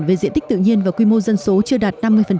về diện tích tự nhiên và quy mô dân số chưa đạt